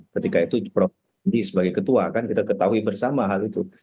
ketika itu prof andi sebagai ketua kan kita ketahui bersama hal itu